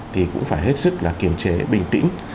thì cũng phải hết sức là kiềm chế bình tĩnh